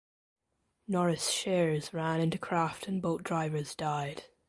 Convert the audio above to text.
Norris Shears ran into Craft and both drivers died.